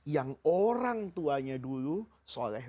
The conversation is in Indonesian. yang orang tuanya dulu soleh